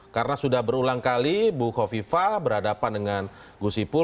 karena sudah berulang kali bu kofifa berhadapan dengan gusipul